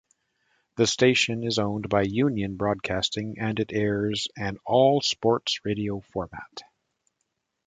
The station is owned by Union Broadcasting and it airs an all-sports radio format.